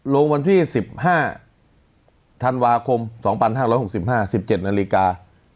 ลงวันที่สิบห้าธันวาคมสองพันห้าร้อยหกสิบห้าสิบเจ็ดนาฬิกา